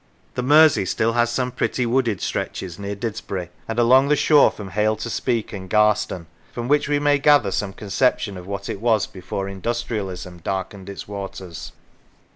The Mersey still has some pretty wooded stretches near Didsbury, and along the shore from Hale to Speke and Garston, from which we may gather some conception of what it was before industrialism darkened its waters.